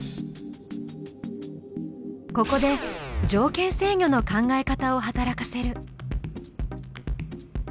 ここで「条件制御」の考え方を働かせる。